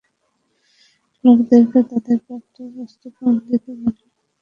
লোকদেরকে তাদের প্রাপ্ত বস্তু কম দিবে না এবং পৃথিবীতে বিপর্যয় ঘটাবে না।